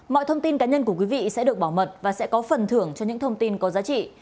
mọi thông tin cá nhân của quý vị sẽ được bảo mật và sẽ có phần thưởng cho những thông tin có giá trị